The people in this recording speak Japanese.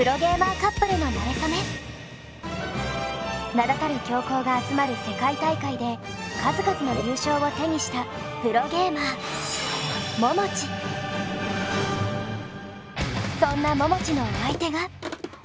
名だたる強豪が集まる世界大会で数々の優勝を手にしたプロゲーマーそんなももちのお相手が。